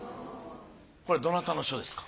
これどなたの書ですか？